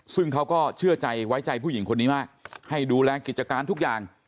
ซึ่งเขาก็เชื่อใจไว้ใจผู้หญิงคนนี้มากให้ดูแลกิจการทุกอย่าง